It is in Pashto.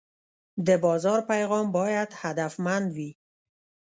د بازار پیغام باید هدفمند وي.